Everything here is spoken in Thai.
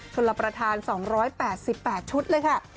ส่วนละประทาน๒๘๘ชุดเลยค่ะ